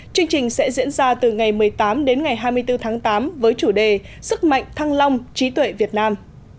chương trình sẽ diễn ra từ ngày một mươi tám đến ngày hai mươi bốn tháng tám với chủ đề sức mạnh thăng long trí tuệ việt nam